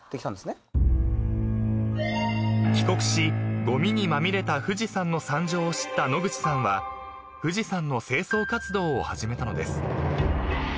［帰国しごみにまみれた富士山の惨状を知った野口さんは富士山の清掃活動を始めたのです］